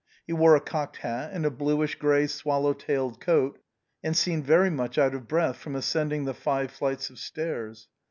He wore a cocked hat and a bluish grey swallow tailed coat and seemed very much out of breath from ascending the five flights of stairs.